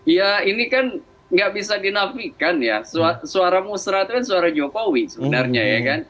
ya ini kan nggak bisa dinafikan ya suara musra itu kan suara jokowi sebenarnya ya kan